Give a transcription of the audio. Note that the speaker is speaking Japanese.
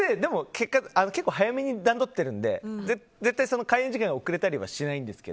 結構早めに段取っているので絶対に開演時間に遅れたりはしないですね。